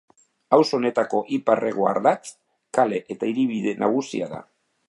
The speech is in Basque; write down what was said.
Auzo honetako ipar-hego ardatz, kale edo hiribide nagusia da.